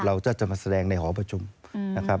เราจะมาแสดงในหอประชุมนะครับ